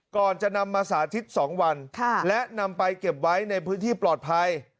ก่อนจะนำมาสาธิต๒วันและนำไปเก็บไว้ในพื้นที่ปลอดภัย